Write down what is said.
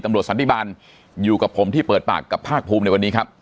สันติบาลอยู่กับผมที่เปิดปากกับภาคภูมิในวันนี้ครับ